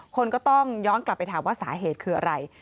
คนก็ต้องย้อนกลับไปถามว่าสาเหตุคืออะไร